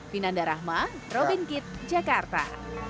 vinanda rahma robin kitt jakarta